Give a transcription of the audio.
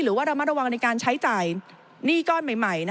หรือว่าระมัดระวังในการใช้จ่ายหนี้ก้อนใหม่